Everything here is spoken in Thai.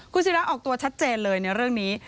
คุณศิราออกตัวชัดเจนเลยในเรื่องนี้